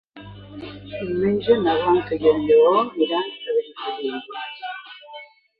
Diumenge na Blanca i en Lleó iran a Benifallim.